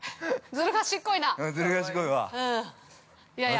ずる賢いな。